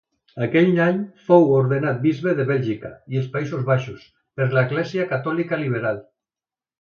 Aquell any fou ordenat bisbe de Bèlgica i els Països Baixos per l'Església Catòlica Liberal.